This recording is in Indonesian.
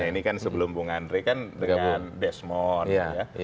ini kan sebelum bang andre kan dengan desmond